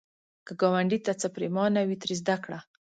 که ګاونډي ته څه پرېمانه وي، ترې زده کړه